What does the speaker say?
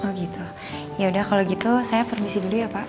oh gitu ya udah kalau gitu saya permisi dulu ya pak